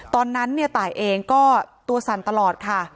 ตอนนั้นเนี่ยตายเองก็ตัวสั่นตลอดค่ะ